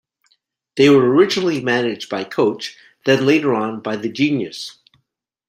They were originally managed by Coach, then later on by The Genius.